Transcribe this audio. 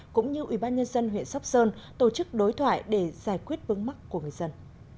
cũng như ủy ban nhân dân huyện sóc sơn tổ chức đối thoại để giải quyết vấn mắc của người dân